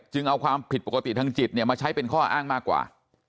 เอาความผิดปกติทางจิตมาใช้เป็นข้ออ้างมากกว่า